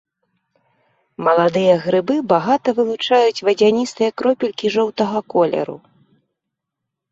Маладыя грыбы багата вылучаюць вадзяністыя кропелькі жоўтага колеру.